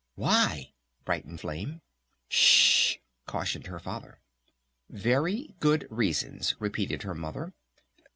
"Why?" brightened Flame. "S sh ," cautioned her Father. "Very good reasons," repeated her Mother.